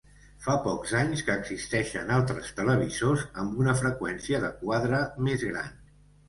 Fa pocs anys que existeixen altres televisors amb una freqüència de quadre més gran.